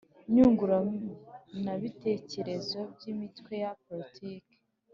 Nyunguranabitekerezo ry Imitwe ya Politiki